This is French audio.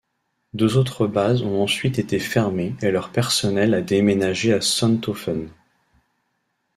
Deux autres bases ont ensuite été fermées et leur personnel a déménagé à Sonthofen.